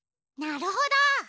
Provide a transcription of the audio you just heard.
なるほど！